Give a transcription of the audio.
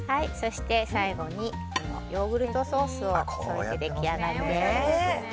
最後にヨーグルトソースを添えて出来上がりです。